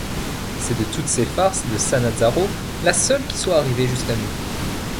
C’est de toutes ces farces de Sannazaro la seule qui soit arrivée jusqu’à nous.